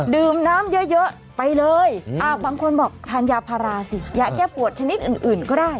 ดื่มน้ำเยอะไปเลยอ่าบางคนบอกธานยาผลาสิอยากับปวดชนิดอื่นอื่นก็ได้